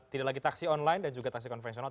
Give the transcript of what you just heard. tidak lagi taksi online dan juga taksi konvensional